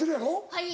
はい。